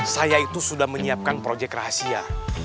saya itu sudah menyiapkan proyek rahasia